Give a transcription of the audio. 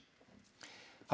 はい。